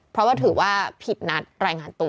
เพราะว่าถือว่าผิดนัดรายงานตัว